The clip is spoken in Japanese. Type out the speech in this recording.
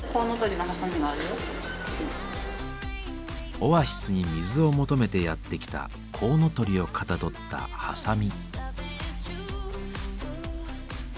オアシスに水を求めてやって来たコウノトリをかたどったハサミ。